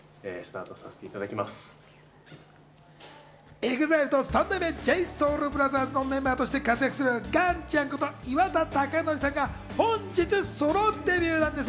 ＥＸＩＬＥと三代目ＪＳＯＵＬＢＲＯＴＨＥＲＳのメンバーとして活躍する岩ちゃんこと岩田剛典さんが本日ソロデビューなんです。